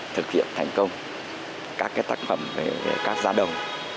thực hiện thành công các tác phẩm về các gia đồng